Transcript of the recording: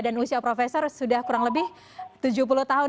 dan usia profesor sudah kurang lebih tujuh puluh tahun